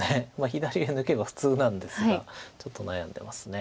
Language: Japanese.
左上抜けば普通なんですがちょっと悩んでます。